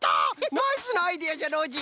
ナイスなアイデアじゃノージー！